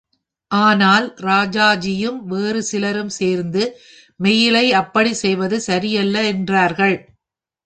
ஆனால், ராஜாஜியும் வேறு சிலரும் சேர்ந்து மெயிலை அப்படிச் செய்வது சரியல்ல என்றார்கள்.